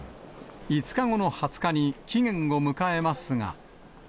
５日後の２０日に期限を迎えますが。